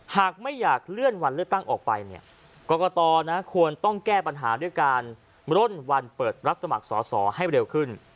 หากไม่อยากเลื่อนวันเลือกตั้งออกไปเนี่ยกรกตควรต้องแก้ปัญหาด้วยการร่นวันเปิดรับสมัครสอสอให้เร็วขึ้น